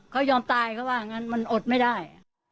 เขายอมตายเขาว่างั้นมันอดไม่ได้